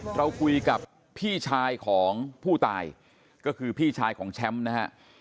เราคุยกับพี่ชายของผู้ตายก็คือพี่ชายของแชมป์นะฮะ